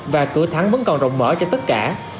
và cửa thắng vẫn còn rộng mở cho tất cả